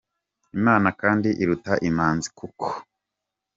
Imana kandi iruta Imanzi, kuko